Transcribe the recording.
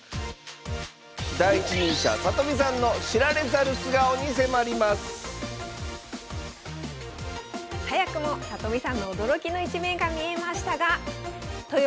第一人者里見さんの知られざる素顔に迫ります早くも里見さんの驚きの一面が見えましたがとよ